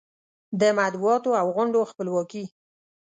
د مطبوعاتو او غونډو خپلواکي